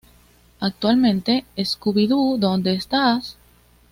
Actualmente "Scooby Doo, ¿dónde estás?